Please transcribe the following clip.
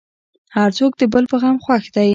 هر څوک د بل په غم خوښ دی.